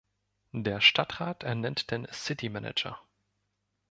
Der Stadtrat ernennt den City Manager.